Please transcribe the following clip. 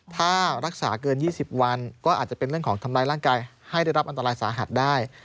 ถ้ารักษาเกิน๒๐วันก็อาจจะเป็นเรื่องของทำร้ายร่างกายให้ได้รับอันตรายสาหัสได้